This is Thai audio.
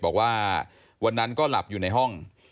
บอกว่าวันนั้นก็หลับอยู่ในห้อง